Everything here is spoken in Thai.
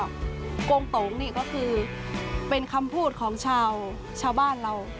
โกงโตงนี่ก็คือเป็นคำพูดของชาวบ้านเรา